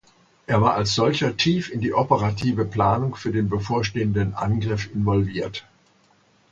Er war als solcher tief in die operative Planung für den bevorstehenden Angriff involviert.